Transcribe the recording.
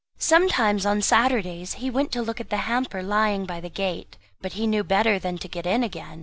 Sometimes on Saturdays he went to look at the hamper lying by the gate, but he knew better than to get in again.